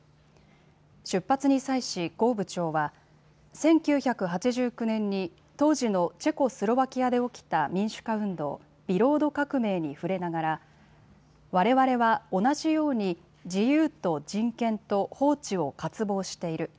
出発に際し呉部長は１９８９年に当時のチェコスロバキアで起きた民主化運動、ビロード革命に触れながらわれわれは同じように自由と人権と法治を渇望している。